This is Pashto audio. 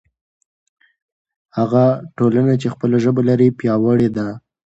هغه ټولنه چې خپله ژبه لري پیاوړې ده.